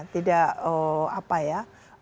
tidak apa ya